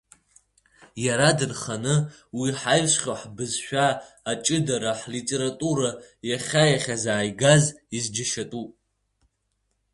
Иара дынханы, уи иҳаҩсхьоу ҳбызшәа аҷыдара ҳлитература иахьа иахьазааигаз изџьашьатәуп.